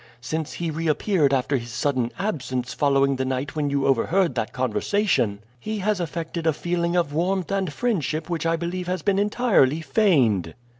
Since he reappeared after his sudden absence following the night when you overheard that conversation, he has affected a feeling of warmth and friendship which I believe has been entirely feigned.